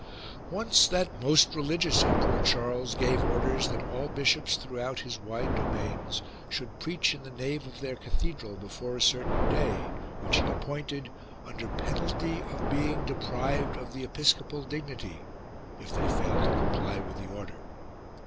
Once that most religious Emperor Charles gave orders that all bishops throughout his wide domains 83 PREACHING ENJOINED ON BISHOPS should preach in the nave of their cathedral before a certain day, which he appointed, under penalty of being deprived of the episcopal dignity, if they failed to comply with the order.